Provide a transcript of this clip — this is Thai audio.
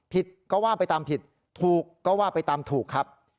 ผิดก็ว่าไปตามผิดถูกก็ว่าไปตามถูกครับ